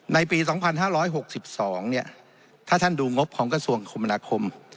ในปี๒๕๖๒ถ้าท่านดูงบของกระทรวงคมนาคม